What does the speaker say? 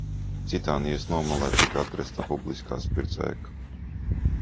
Citānijas nomalē tika atrasta publiskās pirts ēka.